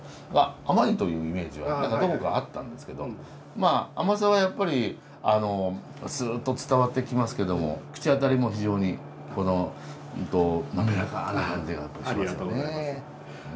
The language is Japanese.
甘いというイメージが何かどこかあったんですけどまあ甘さはやっぱりスーッと伝わってきますけども口当たりも非常に滑らかな感じがしますよね。